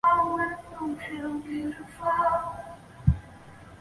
有人宣称阿拉法特和巴勒斯坦民族权力机构预先计划了这次起义。